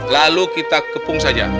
lalu kita kepung saja